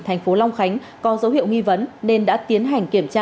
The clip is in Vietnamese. thành phố long khánh có dấu hiệu nghi vấn nên đã tiến hành kiểm tra